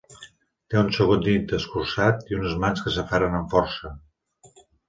Té un segon dit escurçat i unes mans que s'aferren amb força.